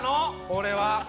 俺は。